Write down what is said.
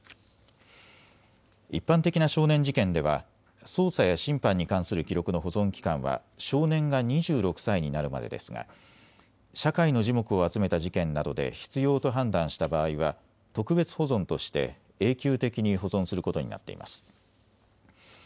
一般的な少年事件では捜査や審判に関する記録の保存期間は少年が２６歳になるまでですが社会の耳目を集めた事件などで必要と判断した場合は特別保存として永久的に保存することになっています。